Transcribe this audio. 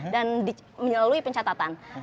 dan di menyelalui pencatatan